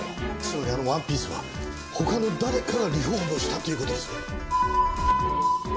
つまりあのワンピースは他の誰かがリフォームをしたという事ですね？